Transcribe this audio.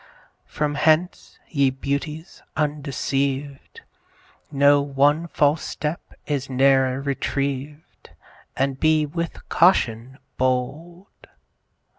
From hence, ye Beauties undeceived, Know, one false step is ne'er retrieved, And be with caution bold.